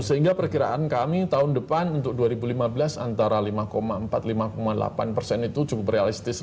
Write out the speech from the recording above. sehingga perkiraan kami tahun depan untuk dua ribu lima belas antara lima empat lima delapan persen itu cukup realistis